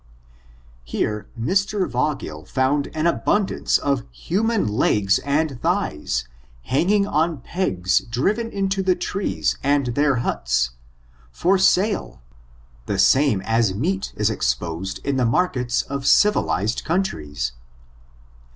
Here Mr. Vaugill found an abundance of human legs and thighs, hanging on pegs driven into the trees and their huts, for sale, the same as meat is exposed in the markets of civilized countries.